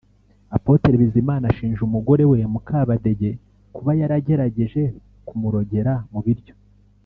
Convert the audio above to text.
Apotre Bizimana ashinja umugore we Mukabadege kuba yaragerageje kumurogera mu biryo